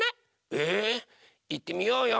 えいってみようよ。